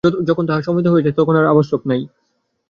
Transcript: যখন তাহা সমাহিত হইয়াছে, তখন আর আবশ্যক নাই।